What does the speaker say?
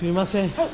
はい。